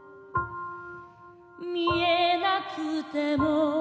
「見えなくても」